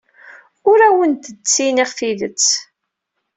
Ur awent-d-ttiniɣ tidet.